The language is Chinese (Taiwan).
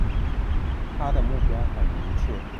他的目標很明確